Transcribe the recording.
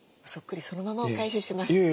そっくりそのままお返しします。